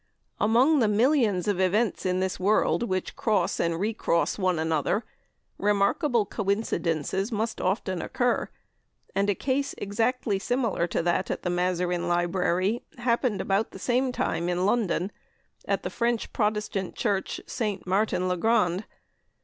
Among the millions of events in this world which cross and re cross one another, remarkable coincidences must often occur; and a case exactly similar to that at the Mazarin Library, happened about the same time in London, at the French Protestant Church, St. Martin's le Grand.